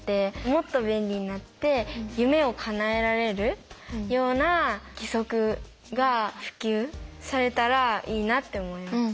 もっと便利になって夢をかなえられるような義足が普及されたらいいなって思います。